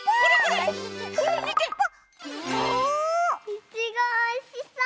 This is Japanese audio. いちごおいしそう！